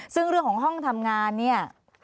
ซึ่งเรื่องของห้องทำงานเนี่ย